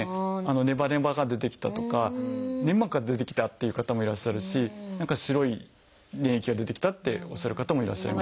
「ネバネバが出てきた」とか「粘膜が出てきた」って言う方もいらっしゃるし「何か白い粘液が出てきた」っておっしゃる方もいらっしゃいます。